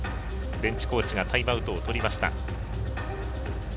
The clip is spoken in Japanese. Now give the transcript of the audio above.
ベンチコーチがタイムアウトをとりました。